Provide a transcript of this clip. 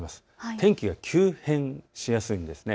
天気が急変しやすいんです。